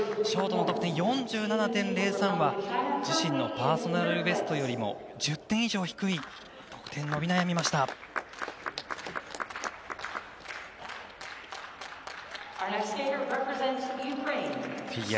ショートの得点４７．０３は自身のパーソナルベストより１０点以上低いです。